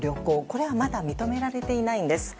これはまだ認められていないんです。